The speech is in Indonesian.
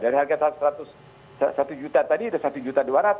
dari harga seratus satu juta tadi sudah satu juta dua ratus